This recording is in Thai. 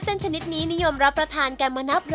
เส้นชนิดนี้นิยมรับประทานกันมา